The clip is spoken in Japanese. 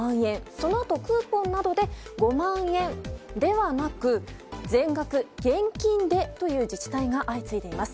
そのあとクーポンなどで５万円ではなく全額現金でという自治体が相次いでいます。